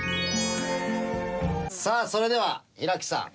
さあそれでは平木さん。